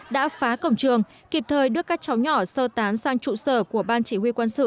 đã phá cổng trường kịp thời đưa các cháu nhỏ sơ tán sang trụ sở của ban chỉ huy quân sự